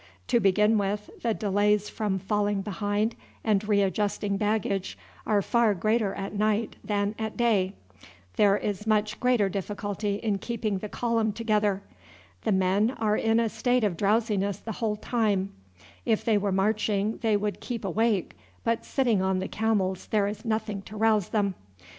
To begin with, the delays from falling behind and readjusting baggage are far greater at night than at day; there is much greater difficulty in keeping the column together; the men are in a state of drowsiness the whole time, if they were marching they would keep awake, but sitting on the camels there is nothing to rouse them.